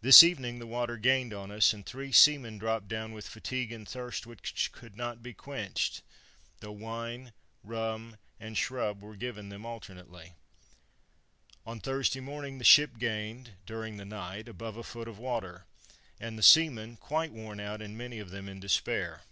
This evening the water gained on us, and three seamen dropped down with fatigue and thirst, which could not be quenched, though wine, rum, and shrub were given them alternately. On Thursday morning the ship had gained, during the night, above a foot of water, and the seamen quite worn out, and many of them in despair.